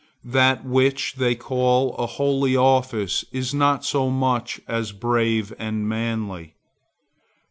That which they call a holy office is not so much as brave and manly.